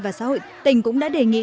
và xã hội tỉnh cũng đã đề nghị